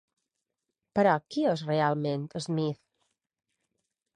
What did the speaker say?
Però qui és realment Smith?